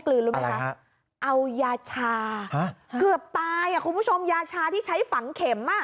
ลืนรู้ไหมคะเอายาชาเกือบตายอ่ะคุณผู้ชมยาชาที่ใช้ฝังเข็มอ่ะ